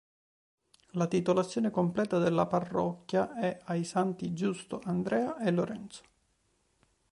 La titolazione completa della parrocchia è ai santi Giusto, Andrea e Lorenzo.